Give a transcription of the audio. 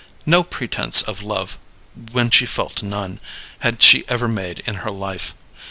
No pretence of love, when she felt none, had she ever made in her life.